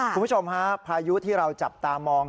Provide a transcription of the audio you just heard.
คุณผู้ชมฮะพายุที่เราจับตามอง